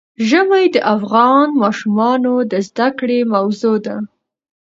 ژمی د افغان ماشومانو د زده کړې موضوع ده.